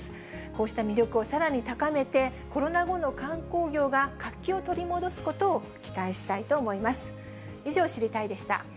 こうした魅力をさらに高めて、コロナ後の観光業が活気を取り戻すことを期待したいと思います。